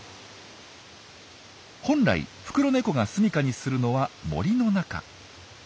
本来フクロネコが住みかにするのは森の中。